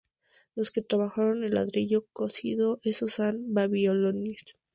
Los que trabajaron el ladrillo cocido, esos eran babilonios.